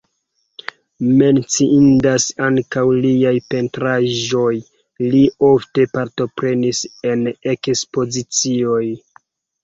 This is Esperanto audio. Menciindas ankaŭ liaj pentraĵoj, li ofte partoprenis en ekspozicioj.